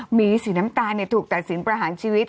หมีสีน้ำตาลถูกตัดสินประหารชีวิต